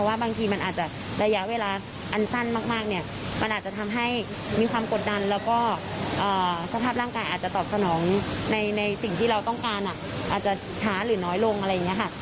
อาจจะช้าหรือน้อยลงอะไรอย่างนี้ค่ะ